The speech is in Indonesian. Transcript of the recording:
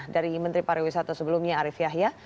dari menteri pariwisata sebelumnya arief yahya